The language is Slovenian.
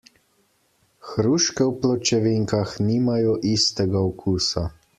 Hruške v pločevinkah nimajo istega okusa.